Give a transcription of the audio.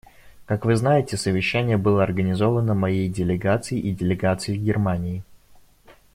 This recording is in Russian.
Как вы знаете, совещание было организовано моей делегацией и делегацией Германии.